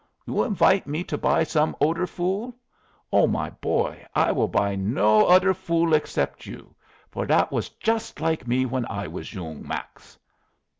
You invite me to buy some oder fool? Oh, my boy, I will buy no oder fool except you, for that was just like me when I was yoong Max!"